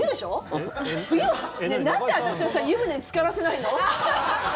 えっ、なんで私を湯船につからせないの？